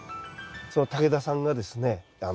その竹田さんがですね